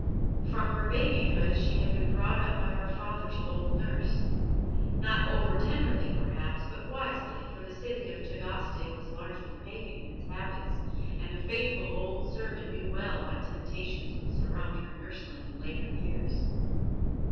From her babyhood she had been brought up by her father's old nurse not over tenderly perhaps, but wisely, for the city of Tagaste was largely pagan in its habits, and the faithful old servant knew well what temptations would surround her nursling in later years.